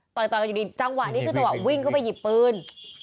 ต่อยกันอยู่ดีจังหวะนี้คือจังหวะวิ่งเข้าไปหยิบปืน